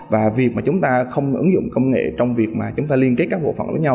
và việc mà chúng ta không ứng dụng công nghệ trong việc mà chúng ta liên kết các bộ phận với nhau